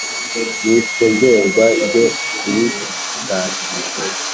Ntisongerwa jye uyitahije